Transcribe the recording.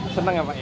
senang ya pak